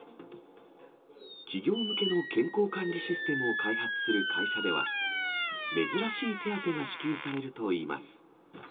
企業向けの健康管理システムを開発する会社では、珍しい手当が支給されるといいます。